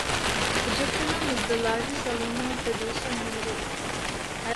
Egyptalum is the largest aluminium producer in the Middle East.